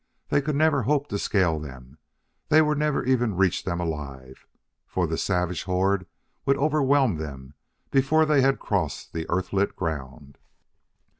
They could never hope to scale them; they would never even reach them alive, for the savage horde would overwhelm them before they had crossed the Earth lit ground.